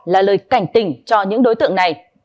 là lời cảnh tình cho những đối tượng này